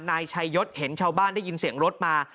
นายชัยยศเห็นชาวบ้านได้ยินเสียงรถมา